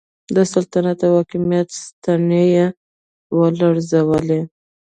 د سلطنت او حاکمیت ستنې یې ولړزولې.